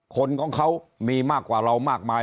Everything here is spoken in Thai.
คนของเขามีมากกว่าเรามากมาย